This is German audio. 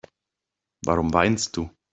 Warum weinst du?